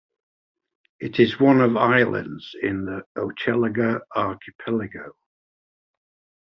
It is one of islands in the Hochelaga Archipelago.